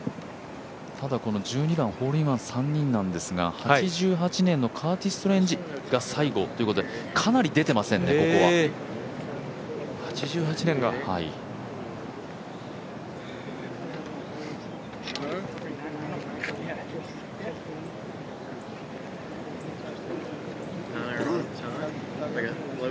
ただこの１２番、ホールインワン３人なんですが８８年のカーティス・ストレンジが最後ということで、かなり出てますね、ここは。へえ、８８年から。